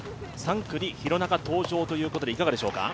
３区に廣中登場ということでいかがでしょうか？